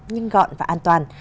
nhưng gọn và an toàn